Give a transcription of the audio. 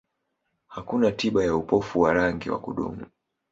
Hakuna tiba ya upofu wa rangi wa kudumu.